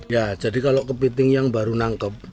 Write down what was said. ya jadi kalau kepiting yang baru nangkep